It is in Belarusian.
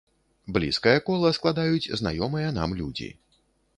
Блізкае кола складаюць знаёмыя нам людзі.